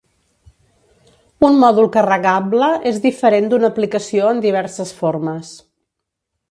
Un mòdul carregable és diferent d'una aplicació en diverses formes.